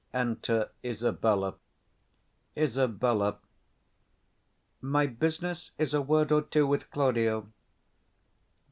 Enter ISABELLA. Isab. My business is a word or two with Claudio.